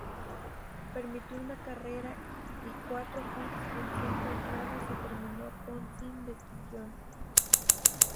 Permitió una carrera y cuatro hits en cinco entradas y terminó con sin decisión.